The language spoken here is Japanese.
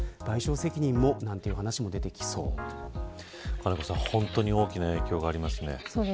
金子さん、本当に大きな影響がありますね。